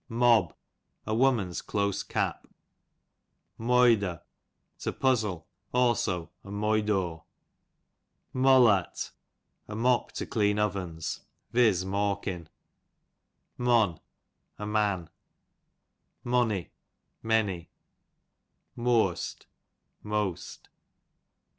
Mob, a woman^s close cap. Moider, a puzzle i also amoi" dare. Molart, a mop to clean ovens^ vid. mawkin. Mon, a man. Monny, many. Mooast, most.